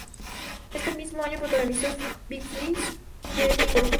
Ese mismo año protagonizó "Big Fish" de Tim Burton.